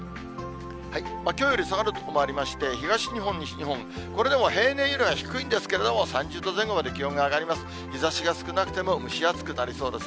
きょうより下がる所もありまして、東日本、西日本、これでも平年よりは低いんですけれども、３０度前後まで気温が上がります。